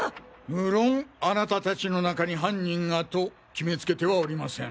無論あなたたちの中に犯人がと決めつけてはおりません。